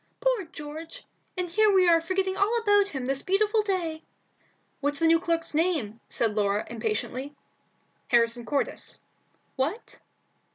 "Poor George! and here we are forgetting all about him this beautiful day!" "What's the new clerk's name?" said Laura, impatiently. "Harrison Cordis." "What?"